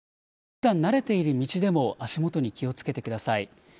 ふだん慣れている道でも足元に気をつけてください。